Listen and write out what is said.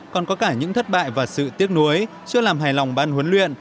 còn có cả những thất bại và sự tiếc nuối chưa làm hài lòng ban huấn luyện